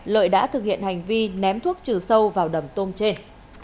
lợi đã thực hiện hành vi ném thuốc trừ sâu vào đầm tôm trên